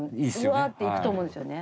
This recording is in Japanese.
わっていくと思うんですよね。